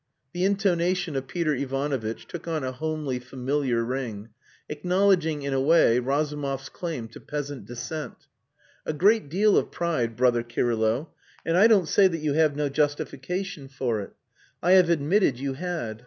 The intonation of Peter Ivanovitch took on a homely, familiar ring, acknowledging, in a way, Razumov's claim to peasant descent. "A great deal of pride, brother Kirylo. And I don't say that you have no justification for it. I have admitted you had.